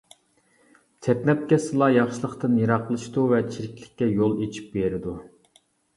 چەتنەپ كەتسىلا ياخشىلىقتىن يىراقلىشىدۇ ۋە چىرىكلىككە يول ئېچىپ بېرىدۇ.